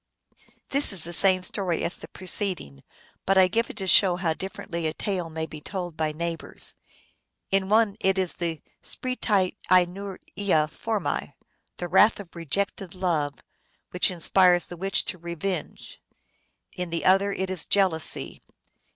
This is the same story as the preceding, but I give it to show how differently a tale may be told by neigh bors. In one it is the spretce injuria formce, the wrath of rejected love, which inspires the witch to revenge ; in the other it is jealousy.